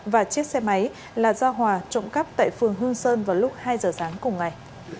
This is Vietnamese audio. và chiếc xe máy là do hòa trộm cắp tại phường hương sơn vào lúc hai giờ sáng cùng ngày